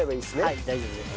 はい大丈夫です。